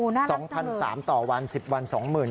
น่ารักเจอเลยคุณ๒๓๐๐บาทต่อวัน๑๐วัน๒๓๐๐๐